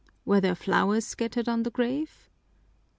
"Were there flowers scattered on the grave?"